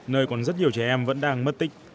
nơi còn rất nhiều trẻ em vẫn đang mất tích